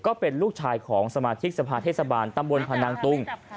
ก็เป็นลูกชายของสมาธิกสภาเทศบาลตำบลพนังตุง